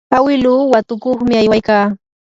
awiluu watukuqmi aywaykaa.